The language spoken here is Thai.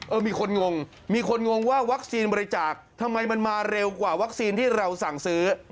มีคนงงมีคนงงว่าวัคซีนบริจาคทำไมมันมาเร็วกว่าวัคซีนที่เราสั่งซื้อ